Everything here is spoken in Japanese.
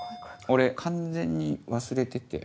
俺完全に忘れてて。